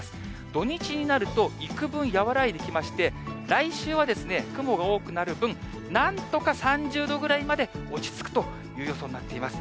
土日になると、いくぶん和らいできまして、来週は雲が多くなる分、なんとか３０度ぐらいまで落ち着くという予想になっています。